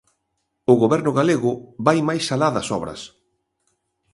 O Goberno galego vai máis alá das obras.